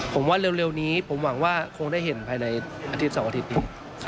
ผมว่าเร็วนี้ผมหวังว่าคงได้เห็นภายในอาทิตย์๒อาทิตย์นี้